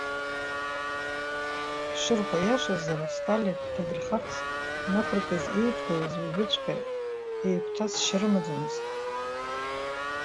Ишырҳәо иашазар, Сталин дҭадырхарц анақәыркыз еидгылаз, уажәыҵәҟьа иеигәҭасшьа рымаӡамызт.